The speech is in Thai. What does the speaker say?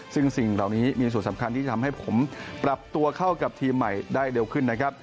ซึ่งสิ่งเหล่านี้มีส่วนสำคัญที่จะทำให้ผมปรับตัวเข้ากับทีมใหม่ได้เร็วขึ้นนะครับ